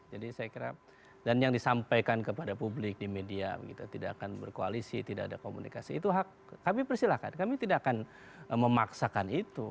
jadi saya kira dan yang disampaikan kepada publik di media gitu tidak akan berkoalisi tidak ada komunikasi itu hak kami persilahkan kami tidak akan memaksakan itu